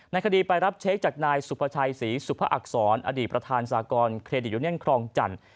คดีไปรับเช็คจากนายสุภาชัยศรีสุภอักษรอดีตประธานสากรเครดิตยูเนียนครองจันทร์